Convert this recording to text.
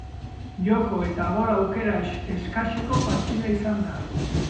Joko eta gol-aukera eskaseko partida izan da.